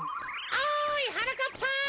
おいはなかっぱ！